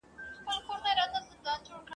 لکه پل غوندي په لار کي پاتېده دي ..